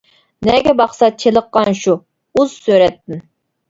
نەگە باقسا چېلىققان شۇ، ئۇز سۈرەتتىن.